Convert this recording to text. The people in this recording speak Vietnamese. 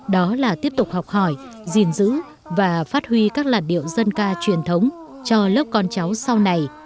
đó là tiếp tục học hỏi gìn giữ và phát huy các làn điệu dân ca truyền thống cho lớp con cháu sau này